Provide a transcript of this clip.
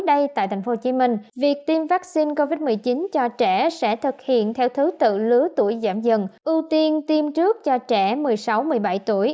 đại dịch covid một mươi chín cho trẻ sẽ thực hiện theo thứ tự lứa tuổi giảm dần ưu tiên tiêm trước cho trẻ một mươi sáu một mươi bảy tuổi